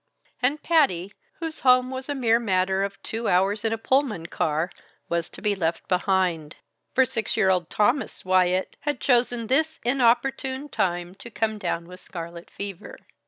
And Patty, whose home was a mere matter of two hours in a Pullman car, was to be left behind; for six year old Thomas Wyatt had chosen this inopportune time to come down with scarlet fever.